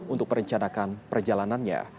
untuk perencanaan perjalanannya